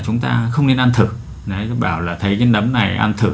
chúng ta không nên ăn thử đấy bảo là thấy cái nấm này ăn thử